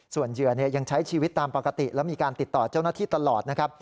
ส่วนเหยื่อยังใช้ชีวิตตามปกติและมีการติดต่อเจ้าหน้าที่ตลอดนะครับ